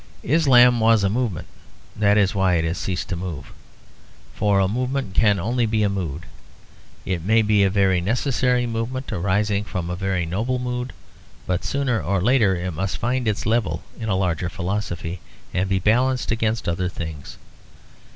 Islam was a movement; that is why it has ceased to move. For a movement can only be a mood. It may be a very necessary movement arising from a very noble mood, but sooner or later it must find its level in a larger philosophy, and be balanced against other things.